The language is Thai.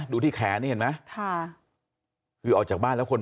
ที่แขนนี่เห็นไหมค่ะคือออกจากบ้านแล้วคน